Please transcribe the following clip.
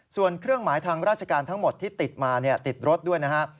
ส่วนเครื่องหมายทางราชการทั้งหมดที่ติดมาติดรถด้วยนะฮะ